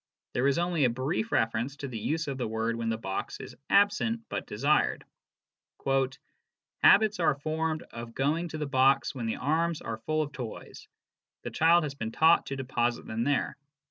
There is only a brief reference to the use of the word when the object is absent but desired :" Habits are formed of going to the box when the arms are full of toys. The child has been taught to deposit them there.